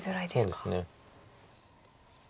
そうですね。